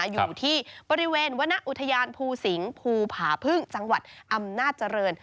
อยู่ที่บริเวณวรรณอุทยานภูสิงศ์ภูผาพึ่งจังหวัดอำนาจเจริญ